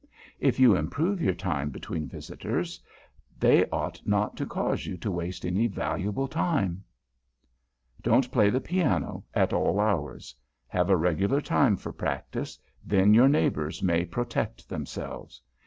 If you improve your time between visitors, they ought not to cause you to waste any valuable time. [Sidenote: MUSICAL TEMPERANCE] Don't play the piano at all hours. Have a regular time for practice; then your neighbors may protect themselves.